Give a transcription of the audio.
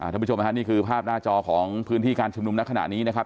ท่านผู้ชมครับนี่คือภาพหน้าจอของพื้นที่การชุมนุมในขณะนี้นะครับ